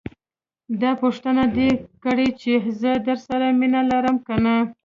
داح پوښتنه دې کړې چې زه درسره مينه لرم که نه.